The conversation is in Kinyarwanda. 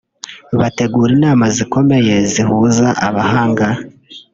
bategura inama zikomeye zihuza abahanga